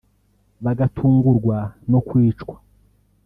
bagatungurwa no kwicwa